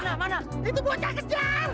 mana mana itu bocah kejar